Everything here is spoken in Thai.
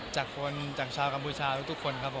จากคนจากชาวกัมพูชาทุกคนครับผม